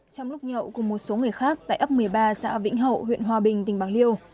trong lúc nhậu cùng một số người khác tại ấp một mươi ba xã vĩnh hậu huyện hòa bình tỉnh bạc liêu